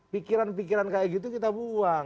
pikiran pikiran kayak gitu kita buang